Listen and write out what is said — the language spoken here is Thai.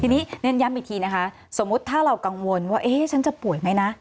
ทีนี้เน้นย้ำอีกทีนะคะสมมุติถ้าเรากังวลว่าเอ๊ะฉันจะป่วยไหมนะ